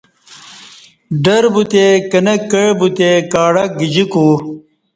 ڈربوتے کنک کع بیتہ کاڈک گجیکو